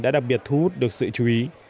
đã đặc biệt thu hút được sự chú ý